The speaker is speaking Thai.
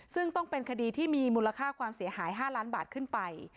ซึ่งต้องเป็นคดีที่มีมูลค่าความเสียหาย๕ล้านบาทขึ้นไป